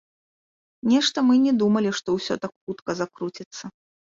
Нешта мы не думалі, што ўсё так хутка закруціцца.